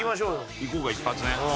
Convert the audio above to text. いこうか一発ね。